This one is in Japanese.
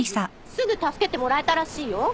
すぐ助けてもらえたらしいよ。